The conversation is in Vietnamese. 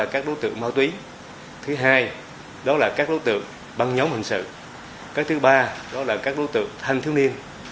các đối tượng mau túy các đối tượng băng nhóm hành sự các đối tượng thanh thiếu niên